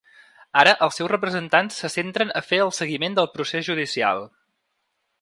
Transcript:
Ara els seus representants se centren a fer el seguiment del procés judicial.